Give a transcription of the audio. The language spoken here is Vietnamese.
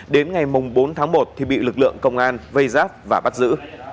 đến ngày bốn tháng một thì bị lực lượng công an vây giáp và bắt giữ